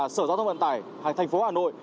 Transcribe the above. sở giao thông vận tài thành phố hà nội